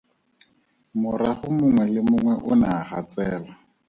Morago mongwe le mongwe o ne a gatsela.